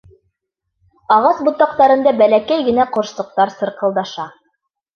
Ағас ботаҡтарында бәләкәй генә ҡошсоҡтар сырҡылдаша.